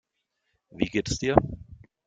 Wie geht es dir?